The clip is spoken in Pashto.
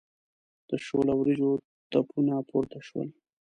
د شوله وریجو تپونه پورته شول.